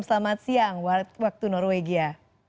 selamat siang waktu norwegia